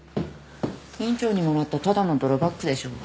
院長にもらったただの泥パックでしょ？